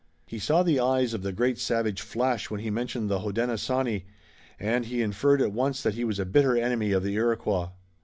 He saw the eyes of the great savage flash when he mentioned the Hodenosaunee, and he inferred at once that he was a bitter enemy of the Iroquois.